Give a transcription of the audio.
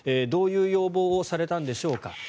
どういう要望をされたんでしょうか。